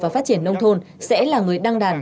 và phát triển nông thôn sẽ là người đăng đàn